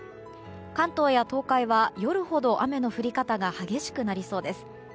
関東や東海は夜ほど雨の降り方が激しくなりそうです。